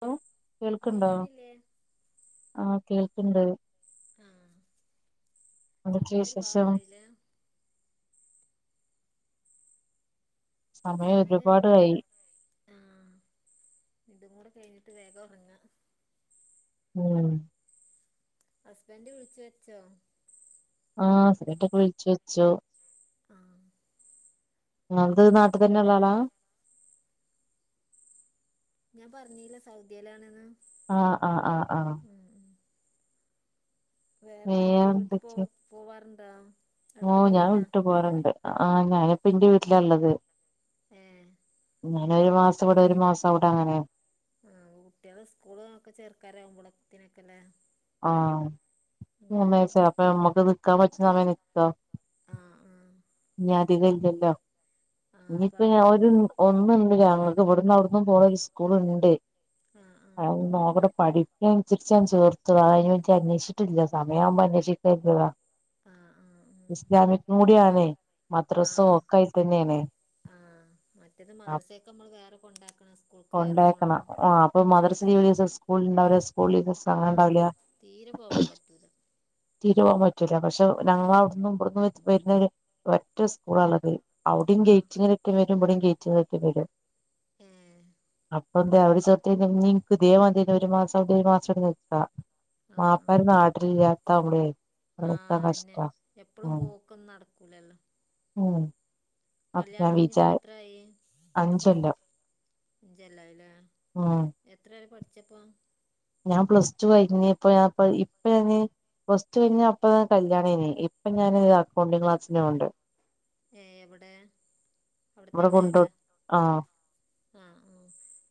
Hello കേൾക്കണ്ടോ കേൾക്കണില്ലേ ആഹ കേൾക്കണ്ട് ആഹ് എന്തൊക്കെയാ സമയം വിശേഷം ഒരുപാടായില്ലേ സമയം ഒരുപാ ആഹ് ഇതും കൂടെ കഴിഞ്ഞിട്ട് വേഗം ഉറങ്ങാം ഉം ഹസ്ബൻഡ വിളിച്ചു വെച്ചോ ആഹ് ഹാസ്ബാൻഡ് ഒക്കെ വിളിച്ചു വെച്ചു ആഹ് നിങ്ങളത് നാട്ടിൽ തന്നെ ഉള്ള ആളാ ഞാൻ പറഞ്ഞീല്ല സൗദിയിലാണെന്ന് ആഹ് ആഹ് ആഹ് ഉം ഉം വേറെ എന്തൊക്കെ വീട്ടിൽ പോ പോവാറുണ്ടോ ഓ അടുത്ത് ഞാൻ പോയിനാ വീട്ട് പോറുണ്ട് ആ ഞാനിപ്പ എന്റെ വീട്ടിലള്ളത് ഏഹ് ഞന് ഒരു മാസം ഇവിടെ ഒരു മാസം അവിടെ അങ്ങനെ ആഹ് കുട്ടികളെ സ്കൂളൊക്കെ ചേർക്കാരാവകുമ്പ ളത്തിനൊക്കെല്ലേ ആഹ് ഞാൻ വിചാരിച്ചു അപ്പ പറ്റും നമ്മക്ക് നിക്കാൻ പറ്റണ സമയം നിക്ക ആഹ് ആഹ് ഇനി അധികല്ലല്ലോ ആഹ് അപ്പൊ ഇനിയിപ്പ ഞാ അവിടെ ഒരു ഒന്നുണ്ട് ഞങ്ങൾക്ക് ഇവിടന്ന് അവിടന്ന് പോണ ഒരു സ്കൂളുണ്ട് ആഹ് ആഹ് അഹ് ഒന്ന് നോക്കട്ടെ പഠി ഇനനുസരിച്ച് ഞാൻ ചേർത്തത അതിനെ കുറിച്ച് അന്വേഷിച്ചിട്ടില്ല സമയാവുമ്പൊ അന്വേഷിക്കാ കരുതിയതാ ആഹ് ആഹ് ആഹ് ഇസ്ലാമിക്കും കൂടി ആണെയ് മദ്രസും ആഹ് ഒക്കെ ആയി തന്നെയണ് ആഹ് മറ്റേത് മദർസയൊക്കെ നമ്മൾ വേറെ കൊണ്ടാക്കണം സ്കൂൾക്ക് വേറെ പോണം ഇപ്പൊ മദർസ ലീവിള്ള വിസം സ്കൂള് ഉണ്ടാവില്ല സ്കൂൾ ലീവിള്ളെസം അങ്ങനെ ആഹ് ഉണ്ടാവില്ല തീരെ പോവാൻ പറ്റൂല തീരെ പോവാൻ പറ്റൂല പക്ഷെ ഞങ്ങൾ അവിടന്നും ഇവിടന്നും വരുന്ന ഒര് ഒറ്റ സ്കൂള ഉള്ളത് അവിടയും ആഹ് ഗേറ്റിങ്ങലെറ്റം ഒക്കെ വരും ഇവിടയും ഗേറ്റിങ്ങലെറ്റം ഒക്കെ വരും ഏഹ് അപ്പ അപ്പെന്ത അവിടെ ചേർത്തി കഴിഞ്ഞ പിന്നെ ഇൻക്ക് ഇതേ മാതിരിന്നെ ഒരു മാസം അവിടെം ഒരു മാസം ഇവിടെ നിൽക്കാം ആഹ് മാപ്പളാര് ആഹ് നാട്ടിലില്ലാത്ത ആവുമ്പളെ [unintelligible] കഷ്ട ഉം ഒക്കൊന്നും നടക്കൂലല്ലോ ഉം അപ്പൊ കല്യാണം ഞാൻ വിചാ കഴിഞ്ഞത്പ്പ എത്രായി അഞ്ചൊല്ലം അഞ്ചു കൊല്ലായില്ലേ ഉം എത്ര വരെ പഠിച്ചപ്പോ ഞാൻ പ്ലസ് ടു കഴിഞ് ഇപ്പ ഞാൻ ഇപ്പ ഞാന് ഫസ്റ്റ് കഴിഞ്ഞ അപ്പ തന്നെ കല്യാണയ്ന് ഇപ്പൊ ഞാൻ അക്കൗണ്ടിഗ് ക്ലാസ്സിന് പോവ്ണ്ട് ഏഹ് എവിടെ ഇവിടെ അവിടെത്തന്നെ കൊണ്ടോ ആവുലേ ആഹ് ആഹ് ആഹ്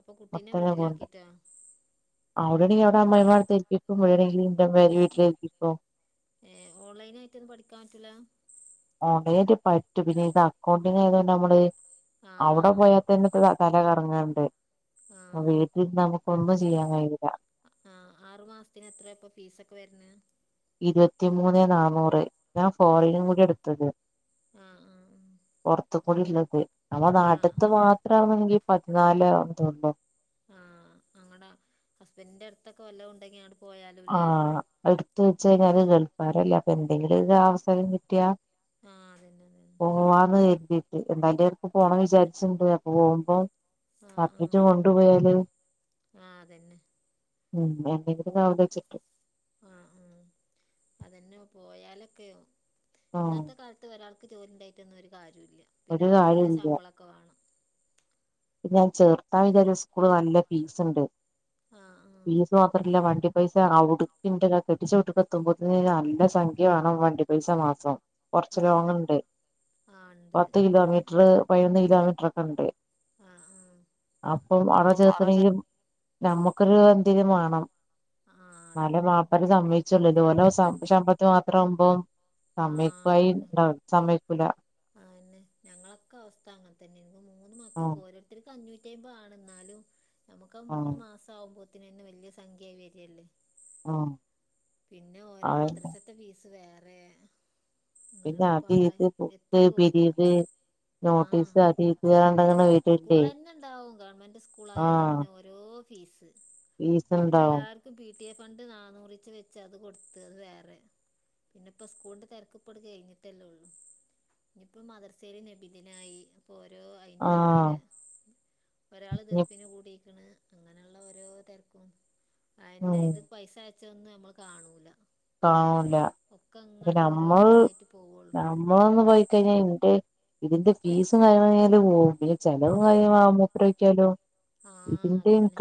അപ്പൊ കുട്ടീനെ വീട്ടിലാക്കിട്ടോ അവിടെ ആണെങ്കി അവിടെ അമ്മയ്മ അടുത്ത് ഏല്പിക്കും ഇവിടെ ആണെങ്കി എന്റെമ്മ വീട്ടിൽ ഏല്പിക്കും ഏഹ് ഓൺലൈൻ ആയിട്ടൊന്നും പഠിക്കാൻ പറ്റൂല്ല ഓൺലൈനായിട്ട് പറ്റും പിന്നെ ഇത് അക്കൗണ്ടിങ് ആയത് കൊണ്ട് നമ്മള് അവിടെ ആഹ് പോയാൽ തന്നെ തല കറങ്ങണ്ട് ആഹ് ആഹ് വീട്ടിൽന്ന് നമുക്ക് ഒന്നും ചെയ്യാൻ കഴിയില്ല ആഹ് ആറു മാസത്തിന് എത്ര അപ്പൊ ഫീസ് ഒക്കെ വരുന്നത് ഇരുപത്തിമൂന്ന് നന്നൂറ് ഞാൻ ആഹ് ഫോറിനും കൂടിയാ എടുത്തത് ആഹ് പുറത്ത്‌ക്ക് കൂടി ഉള്ളത് നമ്മളെ ആഹ് ആഹ് നാട്ട്ത്തെ മാത്ര ആണെന്ന് ഉണ്ടെങ്കി പതിനാലോ അത്രോള്ളു ആഹ് അങ്ങട ഹസ്ബൻഡിന്റെ അടുത്തൊക്കെ വല്ല ഉണ്ടെങ്കി അങ്ങട് പോയാലോല്ലേ ആഹ് അതെടുത്ത് വെച്ച് കഴിഞ്ഞാല് ഗൾഫാരല്ല അപ്പൊ എന്തെങ്കിലും ഒര് അവസരം കിട്ടിയാ ആഹ് അതന്നെ പോവാന്ന് കരുതി എന്തായാലും ഞാൻ ഇപ്പം പോണന്ന് വിചാരിച്ചിണ്ട് അപ്പൊ പോകുമ്പോ അതന്നെ ആഹ് സർട്ടിഫിറ്റും ആഹ് കൊണ്ടു പോയാല് ആഹ് അതന്നെ ഉം [unintelligible] ആഹ് ആഹ് അതന്നെ പോയാലൊക്കെയോ ആഹ് ഇന്നത്തെ കാലത്ത് ത്ത് ഒരാൾക്ക് ജോലി ഉണ്ടായിട്ടൊന്നും ഒരു കാര്യവൂല്ല പിന്നെ ഒരു നല്ല കാര്യല്ല ശമ്പളൊക്കെ വേണം ഞാൻ ചേർത്താ വിചാരിച്ച സ്കൂള് നല്ല ഫീസ്ണ്ട് ആഹ് ആഹ് ഫീസ് അത്രല്ല വണ്ടി പൈസ അവ്ടുക്ക് ന്റെ കെട്ടിച്ച വീട്ടിക്ക് എത്തുമ്പോത്തിന് നല്ല സംഖ്യ വാണം വണ്ടി പൈസ മാത്രം കുറച്ച് ആഹ് ലോങ് ഉണ്ട് ആഹ് ഉണ്ട് പത്ത് കിലോമീറ്റർ പതിനൊന്ന് കിലോമീറ്റർ ഒക്കെ ഉണ്ട് ആഹ് ആഹ് അപ്പം അവിടെ ചേർക്കണെങ്കിലും നമ്മുക്കൊരു എന്തെങ്കിലും വേണം ആഹ് ആഹ് ന്നാലെ അതന്നെ അതന്നെ മാപ്പര് സമ്മയ്‌ ചിലത് ഓലോ ശമ്പളത്ത് മാത്രം ആവുമ്പോം ആഹ് സമയക്കായി അതന്നെ ഉണ്ടാവ സമക്കല ആന്നെ ഞങ്ങളൊക്കെ അവസ്ഥ അങ്ങനെത്തന്നെ. എനിക്ക് മൂന്ന് ഉം മക്കക്ക് ഓരോ ഒക്ക് അഞ്ഞൂറ്റി അമ്പ ആണ്. എന്നാലും നമുക്ക് ഉം മൂന്ന് മാസ ആവും ബാത്തിന് വലിയ സംഖ്യ ആായി വരികയല്ലേ. ആഹ് പിന്നെ ഓരോ മദ്രസത്തെ ഫീസ് വേറെ പിന്നെ അങ്ങനൊക്കെ അത് പാടാ ഇത് എത്തി ബുക്ക് പോവൂല പിരീഡ് ആഹ് നോട്ടീസ് അത് ഇത് പറഞ്ഞിട്ടങ്ങനെ സ്കൂൾ വരൂല്ലേ തന്നെ ഉണ്ടാവും ഗവൺമെന്റ് സ്കൂൾ ആയാാൽ ആഹ് തന്നെ ഓ ഫീസ് ഫീസ് ഇപ്പ ഉണ്ടാവും എല്ലാവർക്കും പിടി ഫണ്ട് നാനൂറി വെ അത് കൊടുത്ത്. അത് വേറെ പിന്നെ ഇപ്പോ സ്കൂളിന്റെ തിരക്കപ്പടി കഴിഞ്ഞിട്ടല്ലേ ഉള്ളു. ഇനിയിപ്പോ മദർശേല് നബിദിനായി ഓരോ അയിന്റെ ആഹ് ഓരോരൊ ഒരാള് ദഫിൻ കൂടിയിരിക്കണ് അങ്ങനെയുള്ള ഓരോ തിരക്കും അന്നെ ഉം ഇത് പൈസ അയച്ചൊന്നും നമ്മൾ കാണൂല കാണില്ല ഒക്കെ അപ്പ അങ്ങനെ ഓരോ നമ്മൾ ഇതിനായിട്ട് പോവുള്ളൂ നമ്മളൊന്ന് പോയിക്കഴിഞ്ഞാൽ എന്റെ ഇതിന്റെ ഫീസും കഴ കഴിഞ്ഞാല് പോവും. പിന്നെ ചെലവും കഴിയ മുൂപ്പ രൂപയ്ക്കാലോ ആഹ് അതെന്നെ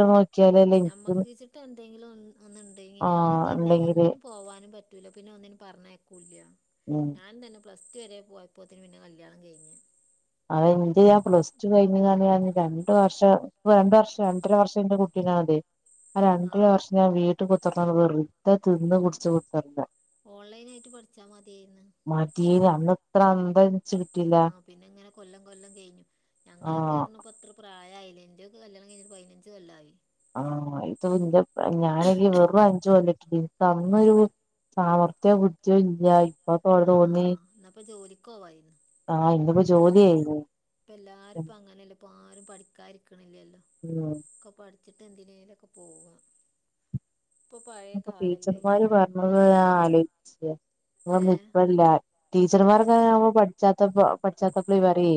ഇൻക്ക് ഞമ്മക്ക്ച്ചിട്ട് എന്തെങ്കിലും ഒന്നുണ്ടെങ്കി ആ ഞാനും തന്നെ ഇണ്ടെങ്കില് ഒന്നിനന് പോവാനും പറ്റ ട്ടൂല പിന്നെ ഒന്നിനന് പറഞ്ഞേക്കൂല്ല. ഉം ഞാൻ തന്നെ പ്ലസ്ടു വരെ പോയപ്പോത്തിന് പിന്നേ കല്യാണം കഴിഞ്ഞ്. അ എന്ത് ഞാൻ പ്ലസ് ടു കഴിഞ്ഞ രണ്ട വർഷം രണ്ടു വർഷം രണ്ടര വർഷംന്റെ കുട്ടീനാ അതേ ആഹ് രണ്ടര വർഷം ഞാൻ വീട്ട് കുത്തക്ക വറദ്ധ തിന്ന് കുടിച്ചച്ച് കുത്തണ്ട് ഓൺലൈൻ ആയിട്ട് പഠിച്ചാൽ മതിയായിരുന്നു. മാറ്റിയ അന്ന് ഇത്ര അന്തരി ആഹ് പിന്നെ ഇങ്ങനെ കൊല്ലം കൊല്ലം കഴിഞ്ഞു ഞങ്ങളൊക്കെ ആഹ് ഇറണ പത്ര പ്രായ ഐലൻഡറ ഒക്കെ കല്യാണം കഴിഞ്ഞ പതിനഞ്ച് കൊല്ല്ല ആമായി ആഹ് ഇത് ന്റെ ഞാന്ല്ലെ വെറും അഞ്ചുല്ലിട്ടില്. അന്നൊരു സാമർത്ഥ്യം കദ്ധിയില്ലായ്. ആഹ് ന്നപ്പന്നാ പ്പം ജോലിക്കേവായീന്ന്. ആഹ് ന്നിപ്പോ ജോലി ആയ്ന്ന്. പ്പെ എല്ലാരുപ്പങ്ങനെല്ലെ പ്പാരും പഠിക്കായിരിക്ക്ണില്ലല്ലോ. ഒക്ക പഠി വച്ചിട്ടെന്തിനേലൊക്കെ പോവാ പ്പൊ പഴെ കാലല്ലെയ്. ന്ന് ഞാനാലോചയിച്ച്ക്കാ ഏഹ് ന്ന്പ്പെല്ലാ ടീച്ചർമാര് ന്ന് ഞമ്മൾപഠിച്ചാത്തപ്പേ പഠിച്ചാത്തപ്ളേ പറയേ,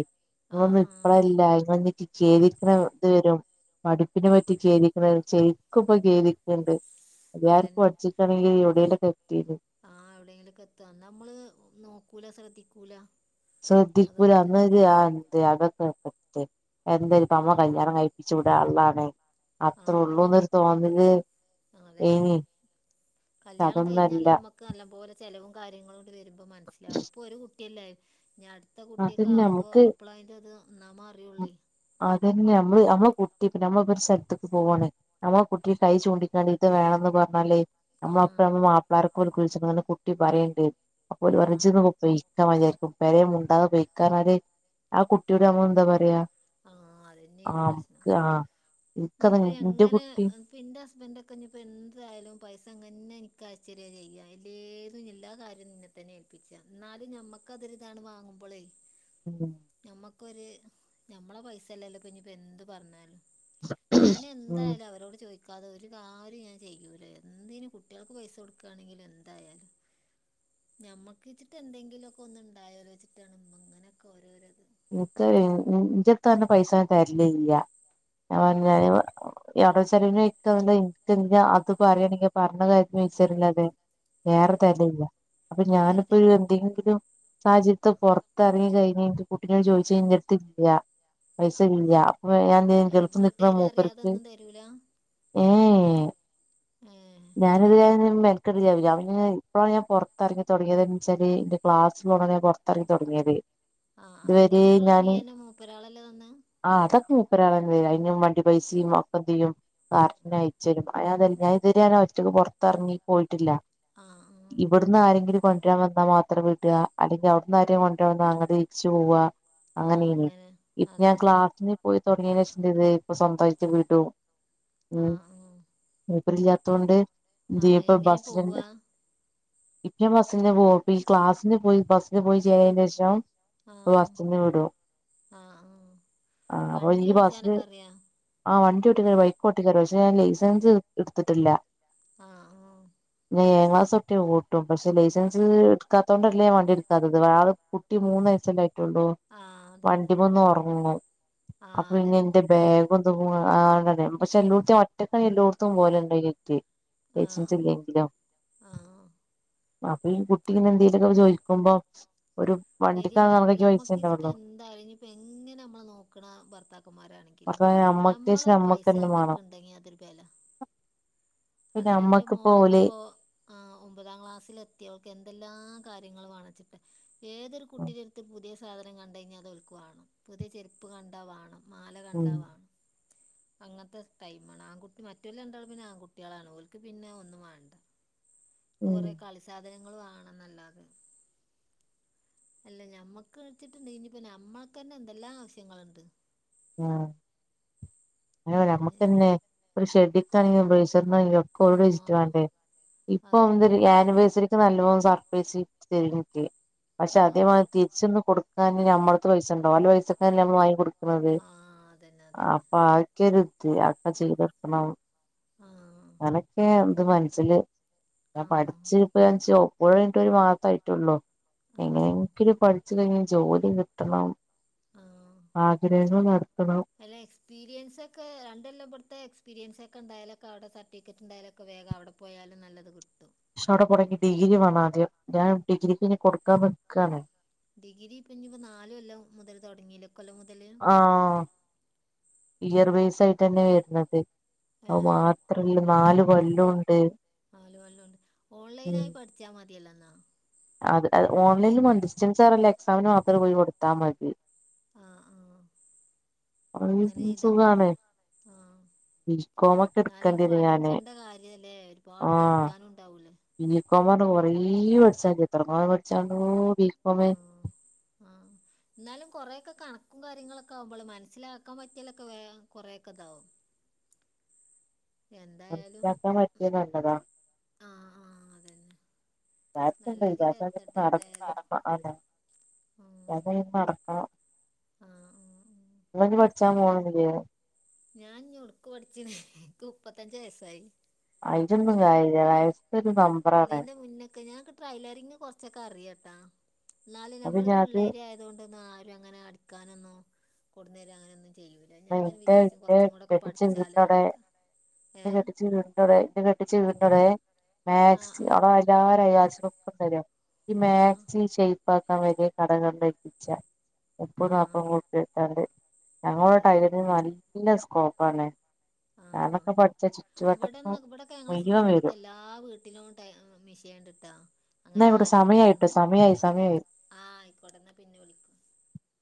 ഇങ്ങളെന്നും ആഹ് ആഹ് ഇപ്പളെല്ല ഇങ്ങളിഞ്ഞി. ചെദിക്ക്ണ ത് വെരും. പഠിപ്പിനെപറ്റി ചെദിക്ക്ണ ശെരിക്കുപ്പ കെദിക്ക്ണ്ട്. എല്ലാരും അതന്നെ പഠിച്ചിട്ടാണെങ്കില് എവിടെയിലെക്കെ എത്തീന്ന്. ആഹ് എവിടെയെങ്കിലൊക്കെത്താ നമ്മള്, നോക്കൂല, ശ്രദ്ധിക്കൂല. ശ്രദ്ധിക്കൂല അതൊക്കെ തന്നെ അന്നെര് ആ ന്ത് അതെക്കെപ്പെന്ത്. എന്താലുപ്പമ്മളെ ആഹ് കല്യാണം കഴപ്പിച്ചുവിടാള്ളാണ്. അത്രേള്ളൂന്നെര്തോന്നല്. അതെന്നെ. കല്യാണം കഴിഞ്ഞാല് അതൊന്നല്ല ഞമ്മക്ക് നല്ലമ്പേലെ ചെലവും കാര്യങ്ങളുണ്ട് വരുമ്പോ മനസ്സിലാവെള്ളൂ. ഇപ്പെര് കുട്ടിയെല്ലെ. ഞി അട്ത്ത അതന്നെ കുട്ടിയെക്കവുമ്പോ നമുക്ക് അപ്പളായ്ന്റെത് ന്നാമ അറിയെള്ളെയ്. അതന്നെ മ്മള് നമ്മള്കുട്ടിപ്പ് നമ്മള്പ്പെര് സ്ഥലത്ത്ക്ക് പോവാണ്. നമ്മളെ കുട്ടി കൈ ചൂണ്ടിക്കാണ്ട് ഇത് വേണെന്ന് പറഞ്ഞാലേ ആഹ് നമ്മള പ്പ നമ്മളെ മാപ്പളാരാക്ക് വിളിച്ചിങ്ങാണ്ടെ കുട്ടി പറയണ്ട് കുട്ടി അപ്പേല് പറയ്ണ്ട് പറയാ ജ്ജ് ആഹ് ന്ന്പെയ്. രിക്കും പെരെ മുണ്ടാതെ പൈയിക്കാർഞാല് ആ കുട്ടിയേട് നമ്മളെന്താ പറയാ. ആഹ് ആ അതെന്നെണ് പ്രശ്നം നമുക്ക് ആ ഇൻക്കതാ ഇനിപ്പേ ഇന്റെ എങ്ങനെ കുട്ടി എ. പിന്റെ ഹസ്ബൻ്റെക്കെ ഞിപ്പെ ന്തായാലും പൈസ അങ്ങന്നെ ഇൻക്കയച്ചെരെ ചെയ്യാ. ഇല്ലേതും എല്ലാകാര്യം ഇന്ന തെന്നെ ഏൽപ്പിച്ച. ന്നാലും ഞമ്മക്കെര്താണ് വാങ്ങുമ്പളേ. ഉം ഞമ്മക്കൊര് ഞമ്മള പൈസെല്ലല്ലോ പ്പൊഞ്ഞിപ്പെന്ത് പറഞ്ഞാലും. ഉം ഞാനെന്തായാലും അവരോട് ചോയ് ക്കാതെ ഒരു കാര്യം ഞാചെയ്യൂല. എന്തിന്, കുട്ടൃൾക്ക് പൈസ കൊടുക്കാണെങ്കിലു എന്തായാലും. ഞമ്മക്കീച്ചിട്ട് എന്തെങ്കിലെക്കെ ഒന്ന്ണ്ടായാലേച്ചിട്ടാണ്. പ്പങ്ങനെക്കേരോരത്. ഇക്ക വെരണ് ഇജ്ജെത്താ പറഞ്ഞു പൈസ ഞാൻ തെര്ലില്ല. ആ ഞാൻ, ആ [unintelligible] യാടെോ ചെിലവിന് ഇക്ക വന്നേ പിന്നെ അത് പറയണെങ്കി പറഞ്ഞ കാര്യത്തിന് [unintelligible] അതെ ഏറെ തെരലില്ല അപ്പൊ, വേറെ തരും ഞാനിപ്പോരെന്തെങ്കിലും. സാഹചര്യത് പെർത്തെറങ്ങി കഴിഞ്ഞാ ൻക്ക് കുട്ടിനേട് ചോദിച്ചാ ഇൻ്റെടുത്തില്ലൃ. പൈസ ഇല്ലൃ അപ്പോൾ അപ്പൊ ഞാന് ഗൾഫിൽ നിക്ക്ണ വീട്ടുകാർ അറിയാതെ മൂപ്പര്ക്ക്. ഒന്നും തരൂല ഏ ഏ ഏ ഞാനെതായാലും മെനക്കെടില്ലല്ലോ പിന്നെ ഞാന് ഇപ്പെളാണ് ഞാന് പൊർ ത്തെറങ്ങി തുടങ്ങിയത്. ച്ചരി ന്റെ ക്ലാസ് പോണന്ന് ഞാൻ പെർത്തെറങ്ങി തൊടങ്ങിയത്. ആ അപ്പ ദീനൊക്കെള്ള ഫീയെന്നെ മൂപ്പരാളെല്ലെ തന്ന് ആ അതൊക്കെ മുപ്പരാളെന്നെരും അയിന് വണ്ടിപൈസിം മക്കെന്തെയ്യും ആ കാര്നെയ് ശെരിക്കുആയ ഞാതുവരെ ങ്ങനെ ഒറ്റയ്ക്ക് പെർത്തെറങ്ങി പോയിട്ടില്ല. ആ ഹ് വിടുന്ന് ആരെങ്കിലും കൊണ്ടെരാൻ വന്നാൽ മാത്രം വിടാ അല്ലെങ്കിൽ അവ്ട്ന്ന് ആരെങ്കും കൊണ്ടെരാൻ വാന്നാ അങ്ങെണ്ട് തിരിച്ച് പോവാ. ആ അങ്ങനെയ്ന്ന് അങ്ങനെ പ്പൊ ഞാൻ അതന്നെ ക്ലാസ്സിന് പോയിതൊ ടങ്ങിയെൻ്റെഷം ന്തെയ്ത് ഇപ്പൊ സ്വന്തായിട്ട് വീടും, ആ ഉം. ആ മൂപ്പരില്ലൃത്തോണ്ട് ആ ന്തെയ്യും പ്പ എങ്ങനെ ബസ്സിനന്നെ. പോവുക പ്പെ ഞാൻ ബസ്സിന്പോവും, ഈ ക്ലാസ്സിന്പോയി ബസ്സിന്പോയി, ചേലായ്ൻ്റെഷം. ആഹ് ഇപ്പൊ ബസ്സിന് വിടും. ആഹ് ആഹ് ആഹ് ആ അപ്പൊ വണ്ടി ഈബസ്സ്. ഓടിച്ചാനൊക്കെ അറിയാ ആ വണ്ടി ഓട്ടിന്ന് ബൈക്ക് ഓട്ടിക്കാറിം പക്ഷെ ഞാൻ ലൈസൻസ് ഇട്ത്തിട്ടില്ല. ആ ആ ഞാ ഏയാം ക്ലാസ്സൊട്ട് ഓട്ടും പക്ഷെ ലൈസൻസ് ട്ക്കാത്തോണ്ടെല്ലേ ഞാവണ്ടി ഇട്ക്കാത്തത് വെറെ കുട്ടി മൂന്ന് - ച്ചല്ലേ ആയ്ട്ടൊള്ളു ആഹ് അതന്നെ അതന്നെ വണ്ടിമ്മന്നൊർങ്ങും ആഹ് അതന്നെ അപ്പിന്നെന്റെ ബാഗ് [unintelligible] പക്ഷെ എല്ലോട്ത്തും ഒറ്റക്കാണെല്ലോട്ത്തും പോകല്ണ്ടായ്ലൊക്കെ ആഹ് ആഹ് ലൈസൻസില്ലെങ്കിലും ആഹ് അപ്പീ കുട്ടിങ്ങനെ എന്തേലൊക്കെ ചോദിക്കുമ്പോ ഒരു വണ്ടി ന്തേ ണവര് നമ്മക്കിച്ചിട്ട് എന്തായാലും ഞ്ഞിപ്പോ എങ്ങനെ നമ്മളെ നോക്ക്ണ ഭർത്താക്കന്മാരാണെ അപ്പൊ അമ്മക്ക് വെച്ച് ഞമ്മളൊരു അമ്മക്ക് പൈസ തന്നെ വേണം അമ്മക്ക്ണ്ടെങ്കി അതൊരു ബല പിന്നെ അതെന്നെന്റെ അമ്മക്ക് പോലെ മോളൊക്കെപ്പോ ആ ഒമ്പതാം ക്ലാസ്സിലെത്തിയോൾക്ക് എന്തെല്ലാം കാര്യങ്ങള് വാണച്ചിട്ടാ ഏതൊരു കുട്ടിന്റെട്ത്ത് പുതിയ സാധനം കണ്ടയ് ഞ്ഞാൽ അതോൽക്ക് വാണം പുതിയ ചെരുപ്പ് കണ്ടാ വാണം മാല ഉം കണ്ടാ വാണം അങ്ങൻത്തെ ടൈം ആണ് ആൺകുട്ടി മറ്റോല് രണ്ടാളും പിന്നെ ആൺകുട്ട്യാളാണ് ഓൽക്ക് പിന്നെ ഒന്നും വാണ്ട ഉം കൊറേ കളി സാധനങ്ങള് വാണംന്നല്ലാതെ അല്ല ഞമ്മക്ക് ച്ച്ട്ട് ണ്ടെങ്കി ഇനിപ്പോ ഞമ്മക്കെന്നെ എന്തെല്ലാം ആവശ്യങ്ങളുണ്ട് ആ അങ്ങനെ അതന്നെ ഞമ്മക്കെന്നെ ഒരു ഷെഡ്‌ഡിട്ടണെങ്കിലും ഒരു ബ്രയ് ഇതൊക്കോലോട് ചോയ്ച്ച്ട്ട് ആഹ് വാണ്ടേ ഇപ്പ അതന്നെ എന്തൊരു ആനിവേഴ്സറി ക്ക് നല്ലോം സർപ്രൈസ് ഗിഫ്റ്റ് തരും ൻക് പക്ഷെ ആഹ് അതേ ആഹ് മാരി തിരിച്ചൊന്ന് കൊടുക്കാന് നമ്മൾ പത്ത് പൈസണ്ടോ ഓലെ പൈസക്കല്ലേ നമ്മള് വാങ്ങി കൊടുക്ക്‌ണത് ആഹ് അതന്നെ അതന്നെ അപ്പൊ ആക്കരു ത് അഒക്കെ ചെയ്തൊട്ക്കണം ആ അനൊക്കെണ്ട് മൻസില് ഞാൻ ആഹ് പഠിച്ചു [unintelligible] കഴിഞ്ഞിട്ട് ഒരു മാസായിട്ടൊള്ളൂ ആഹ് എങ്ങനെയെങ്കിലും പഠി ച്ചിലെങ്കിലും ജോലി കിട്ടണം ആഹ് ആഗ്രഹങ്ങള് നടത്തണം അല്ല എക്സ്പീരിയൻസൊക്കെ രണ്ടൊല്ലം ബിട്ത്തെ എക്സ്പീരിയൻസൊക്കെ ണ്ടായാലൊക്കെ അടെ സർട്ടിഫിക്കറ്റ് ണ്ടായാലൊക്കെ വേഗം അവടെ പോയാലും നല്ലത് കിട്ടും പക്ഷെ അവിടെ [unintelligible] ഡിഗ്രി വാണാദ്യം ഞാൻ ഡിഗ്രിക്ക് ഇനി കൊടുക്കാൻ നിക്കാണ് ഡിഗ്രി ഇപ്പൊ ഇഞ്ഞിപ്പോ നാല് കൊല്ലം മുതൽ തുടങ്ങിയില്ലെ ഇക്കൊല്ലം മുതല് ആഹ് ഇയർ ബേസ് ആയിട്ടെന്നെ വരുന്നത് അഹ് ഏഹ് മാത്രല്ല നാല് കൊല്ലോംണ്ട് നാല് കൊല്ലണ്ട് ഓൺലൈനായി പഠിച്ചാ മതിയല്ലോന്നാ അത് ഓൺലൈനിലും മാണം ഡിസ്റ്റൻസാരല്ല എക്സാമിന് മാത്രം പോയി കൊടുത്താ മതി ആഹ് ആഹ് അങ്ങനെ ചെയ്താ സുഖാണ് മതി ആഹ് ബികോമൊക്കെ ന്നാലീ എടുക്കേണ്ടിയത് ഞാന് പഠിക്കണ്ട കാര്യല്ലേ ഒരുപാട് പഠിക്കാനും ഉണ്ടാവൂലേ ബീഫാ [unintelligible] കൊറേ പഠിച്ചാണ്ട് എത്രങ്ങാനും പട്ച്ചാണ്ടോ ആഹ് ആഹ് ന്നാലും കൊറേക്കെ കണക്കും കാര്യങ്ങളൊക്കാകുമ്പോളേ മനസ്സിലാക്കാൻ പറ്റിയാലൊക്കെ വേം കൊറേയൊക്കെതാവും എന്തായാലും മനസ്സിലാക്കാൻ പറ്റിയ നല്ലതാ ആഹ് ആഹ് അതന്നെ നല്ലതില് എത്തട്ടെ എന്തായാലും ഉം [unintelligible] ആഹ് ആഹ് ആഹ് ങ്ങള്ഞ്ഞി പഠിച്ചാൻ പോണൊന്നുല്ലേ? ഞാൻഞ്ഞൊടുക്ക് പഠിച്ചിണ്ക്ക് മുപ്പത്തഞ്ച് വയസായി അയ്ലൊന്നും കാര്യല്ല വയ ല്ലീന്റെ മുന്നൊക്കെ ഞാൻ കി ടൈലറിങ് കൊർച്ചൊക്കറിയട്ടാന്നാലും അപ്പൊ പിന്നെ അത് ഞമ്മളൊരുള്ളേരിയ തുകൊണ്ടന്നാരും അങ്ങനെ അടിക്കാനൊന്നും കൊടുന്നേര അങ്ങനൊന്നും ചെയ്യു [unintelligible] [unintelligible] എന്നൊക്കെ ഏ കെട്ടിച്ചവീട്ന്റടെ ആ മാക്സി അവ്ടല്ലാരും [unintelligible] ഈ ആ ആ മാക്സി ഷെയ്പാക്കാൻ വലിയ കടകളിലേൽപ്പിച്ച മുപ്പും ആ നാപ്പും കൂട്ടി എടുത്താണ്ട് ഞങ്ങളടെ അതന്നെ ടൈലറിന് നല്ല സ്കോപ്പാണ് ആ ഞാനൊക്കെ പഠിച്ച ചുറ്റുവട്ടപ്പം മുയ്യ്വൻ വരും ആ ഹി വീട്ടിലോ മിഷ ചെയ്യണ്ടിട്ടാ ന ഇവിടെ സമയമായിട്ട് സമയമായി സമയമായിട്ട് ആഹ് ആയിക്കോട്ടെ എന്നാ പിന്നെ വിളിക്കും